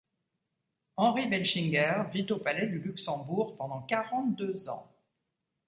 Henri Welschinger vit au Palais du Luxembourg pendant quarante-deux ans.